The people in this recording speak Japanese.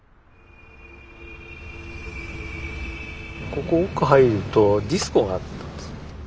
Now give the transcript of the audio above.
ここ奥入るとディスコがあったんですよね。